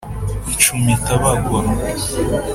Nshumita bagwa,